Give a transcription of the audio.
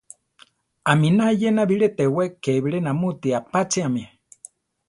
Aminá éyena bilé tewé ké bilé namúti apácheame.